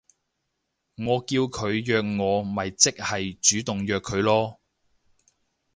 我叫佢約我咪即係主動約佢囉